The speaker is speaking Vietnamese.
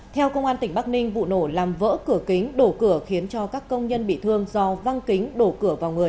theo công an tỉnh bắc ninh vụ nổ làm vỡ cửa kính đổ cửa khiến cho các công nhân bị thương do văng kính đổ cửa vào người